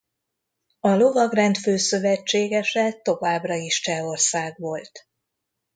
A lovagrend fő szövetségese továbbra is Csehország volt.